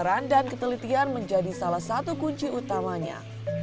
kesadaran dan ketelitian menjadi salah satu kunci utamanya